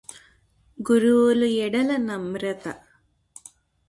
గురువుల యెడల నమ్రత